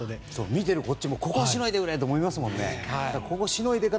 見てるこっちもしのいでくれと思いますから。